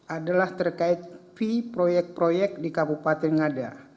adalah terkait fee proyek proyek di kabupaten ngada